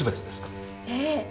ええ。